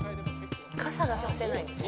「傘が差せないんですよね」